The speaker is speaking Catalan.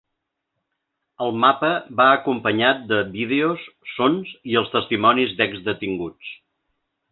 El mapa va acompanyat de vídeos, sons i els testimonis d’ex-detinguts.